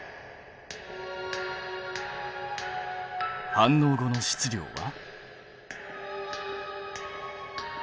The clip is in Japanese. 反応後の質量は？